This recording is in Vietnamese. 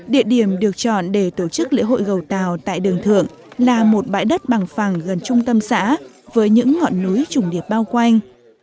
địa điểm được chọn để tổ chức lễ hội gầu tàu tại đường thượng là một bãi đất bằng phẳng gần trung tâm xã với những ngọn núi trùng điệp bao quanh